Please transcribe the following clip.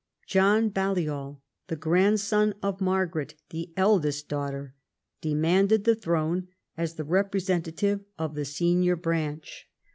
John Balliol, the grandson of Margaret, the eldest daughter, demanded the throne as the repre sentative of the senior branch.